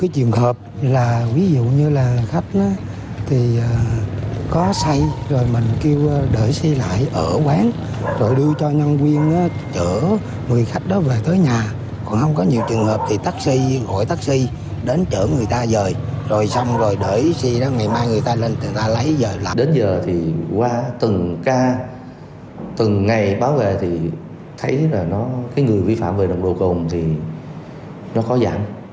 đến giờ thì qua từng ca từng ngày báo về thì thấy là người vi phạm về độc độ cầu thì nó có giảm